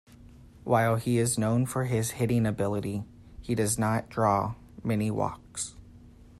While he is known for his hitting ability, he does not draw many walks.